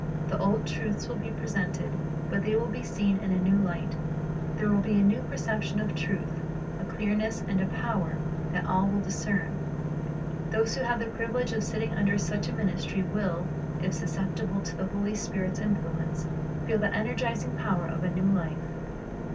The old truths will be presented, but they will be seen in a new light. There will be a new perception of truth, a clearness and a power that ijohn 6:54 63 ''Things Nezu and Old'' 131 all will discern. Those who have the privilege ^^ of sitting under such a ministry will, if susceptible to the Holy Spirit's influ ence, feel the energizing power of a new life.